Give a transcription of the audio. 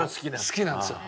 好きなんですよ。